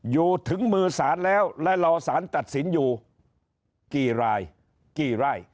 อยู่ถึงมือสารแล้วและรอสารตัดสินอยู่กี่รายกี่ไร่